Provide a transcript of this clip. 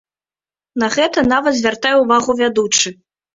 На гэта нават звяртае ўвагу вядучы.